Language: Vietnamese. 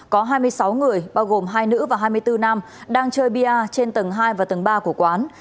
có hai mươi sáu người bao gồm hai nữ và hai mươi bốn nam đang chơi bia trên tầng hai và tầng ba của quán